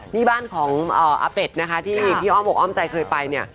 นี่บ้านของอาเป็ดนะคะที่พี่อ้อมอกอ้อมใจเคยไปเนี่ย